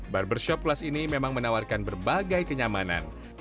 barbershop plus ini memang menawarkan berbagai kenyamanan